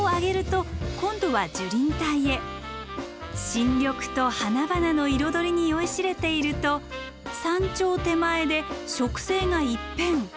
新緑と花々の彩りに酔いしれていると山頂手前で植生が一変。